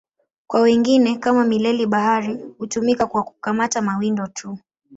Kwa wengine, kama mileli-bahari, hutumika kwa kukamata mawindo tu.